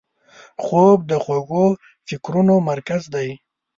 خوب د خوږو فکرونو مرکز دی